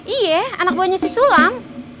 iya anak buahnya si sulang